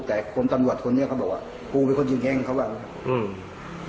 แต่คนตำรวจคนเนี้ยเขาบอกว่ากูเป็นคนยิงเองเขาว่าอืม